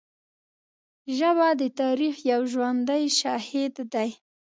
ژبه د تاریخ یو ژوندی شاهد دی